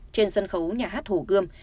trên sân khấu nhà hát hồ gươm